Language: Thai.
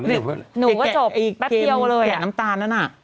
หรือหนูก็จบแป๊บเดียวเลยแกะน้ำตาลนั่นอ่ะ